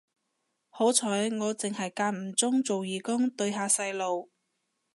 好彩我剩係間唔中做義工對下細路